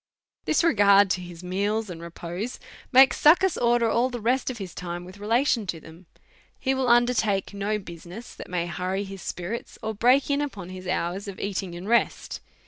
This regard to his meals and repose makes Succus order all the rest of his time with relation to them. He will undertake no business that may hurry his spi rits, or break in upon his hours of eating and rest.